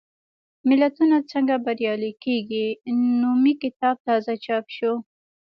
ملتونه څنګه بریالي کېږي؟ نومي کتاب تازه چاپ شو.